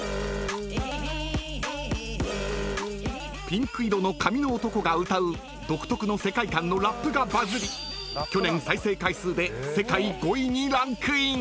［ピンク色の髪の男が歌う独特の世界観のラップがバズり去年再生回数で世界５位にランクイン］